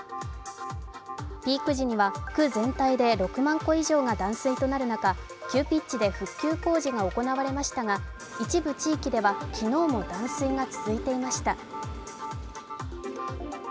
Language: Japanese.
ピーク時には区全体で６万戸以上が断水となる中、急ピッチで復旧工事が行われましたが一部地域では昨日も断水が続いていました。